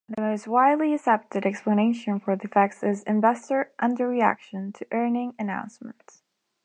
The most widely accepted explanation for the effect is investor under-reaction to earnings announcements.